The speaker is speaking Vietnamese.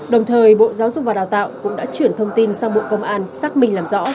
đồng thời bộ giáo dục và đào tạo cũng đã chuyển thông tin sang bộ công an xác minh làm rõ